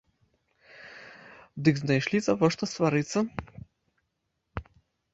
Дык знайшлі завошта сварыцца!